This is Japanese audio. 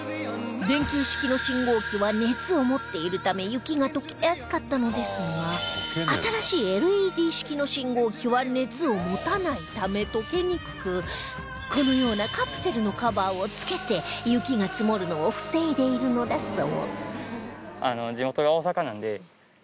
電球式の信号機は熱を持っているため雪が溶けやすかったのですが新しい ＬＥＤ 式の信号機は熱を持たないため溶けにくくこのようなカプセルのカバーを付けて雪が積もるのを防いでいるのだそう